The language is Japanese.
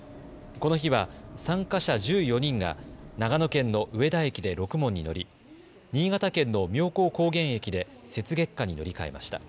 この日は参加者１４人が長野県の上田駅でろくもんに乗り新潟県の妙高高原駅で雪月花に乗り換えました。